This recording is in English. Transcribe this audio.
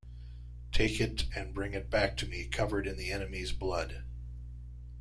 Take it and bring it back to me covered in the enemy's blood.